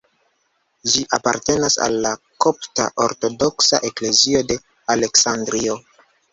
Ĝi apartenas al la Kopta Ortodoksa Eklezio de Aleksandrio.